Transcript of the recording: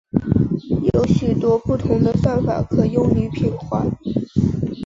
有许多不同的算法可用于平滑。